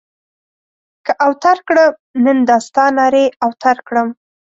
که اوتر کړم؛ نن دا ستا نارې اوتر کړم.